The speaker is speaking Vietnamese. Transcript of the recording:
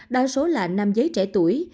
đa số là nam giấy trẻ tuổi